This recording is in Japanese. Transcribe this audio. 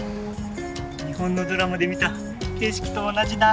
日本のドラマで見た景色と同じだ！